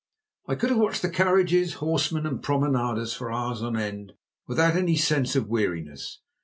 I could have watched the carriages, horsemen, and promenaders for hours on end without any sense of weariness.